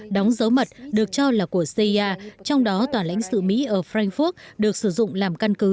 đóng dấu mật được cho là của cia trong đó tòa lãnh sự mỹ ở frankfurt được sử dụng làm căn cứ